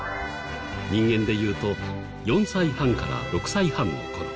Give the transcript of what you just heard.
人間でいうと４歳半から６歳半の頃。